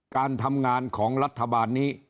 การทำงานของรัฐบาลนี้